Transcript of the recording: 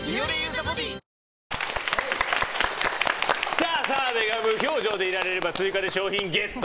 さあ、澤部が無表情でいられれば追加で賞品ゲット。